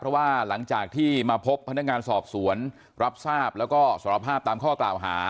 เพราะว่าหลังจากที่มาพบพนักงานสอบสวนรับทราบแล้วก็สารภาพตามข้อกล่าวหา